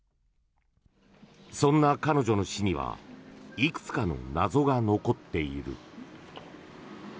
そんな彼女の死にはいくつかの謎が残っている。